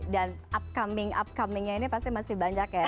dan upcoming upcomingnya ini pasti masih banyak ya